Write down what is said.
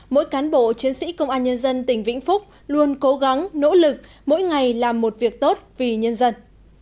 mỗi cán bộ chiến sĩ công an nhân dân tỉnh vĩnh phúc luôn cố gắng nỗ lực mỗi ngày làm một việc tốt vì nhân dân